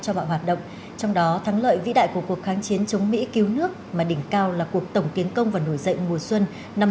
hoạt động trong đó thắng lợi vĩ đại của cuộc kháng chiến chống mỹ cứu nước mà đỉnh cao là cuộc tổng tiến công và nổi dậy mùa xuân năm một nghìn chín trăm bảy mươi năm